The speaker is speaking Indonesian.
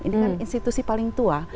ini kan institusi paling tua